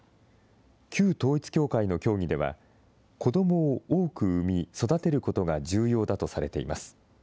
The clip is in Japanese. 旧統一教会の教義では、子どもを多く産み育てることが重要だとされています。